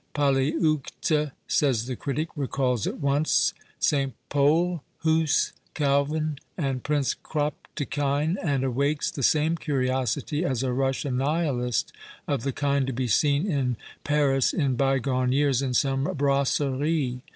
Polyeucte, says the critic, recalls at once " St. Paul, Huss, Calvin, and Prince Kropotkine," and awakes " the same curiosity as a Russian Nihilist, of the kind to be seen in Paris in bygone years, in some brasserie